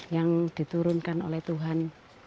yang diturunkan oleh tuhan